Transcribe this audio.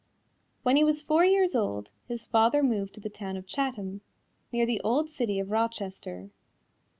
When he was four years old, his father moved to the town of Chatham, near the old city of Rochester.